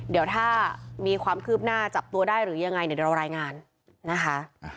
เดี๋ยวถ้ามีความคืบหน้าจับตัวได้หรือยังไงเดี๋ยวเรารายงานนะคะ